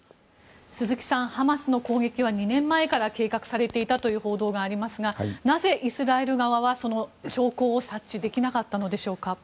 鈴木さん、ハマスの攻撃は２年前から計画されていたという報道がありますがなぜ、イスラエル側はその兆候を察知できなかったのでしょうか。